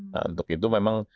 nah untuk itu memang